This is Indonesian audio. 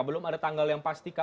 belum ada tanggal yang pasti